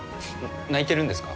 泣いてるんですか？